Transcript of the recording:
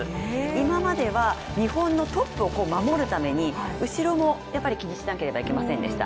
今までは日本のトップを守るために後ろも気にしなければいけませんでした。